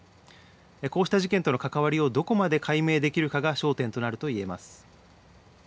こうした事件との関わりをどこまで解明できるかが焦点となると言えます。